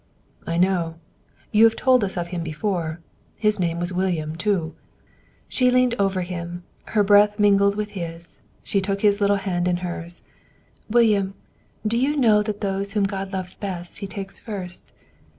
"I know. You have told us of him before. His name was William, too." She leaned over him, her breath mingling with his; she took his little hand in hers; "William, do you know that those whom God loves best He takes first?